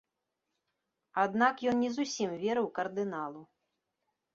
Аднак ён не зусім верыў кардыналу.